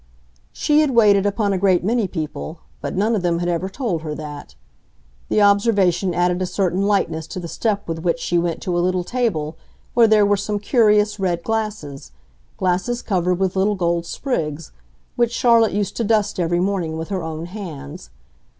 She had waited upon a great many people, but none of them had ever told her that. The observation added a certain lightness to the step with which she went to a little table where there were some curious red glasses—glasses covered with little gold sprigs, which Charlotte used to dust every morning with her own hands.